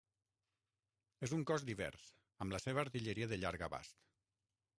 És un cos divers, amb la seva artilleria de llarg abast.